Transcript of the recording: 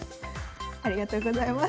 ありがとうございます。